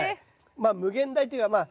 まあ無限大というかえ！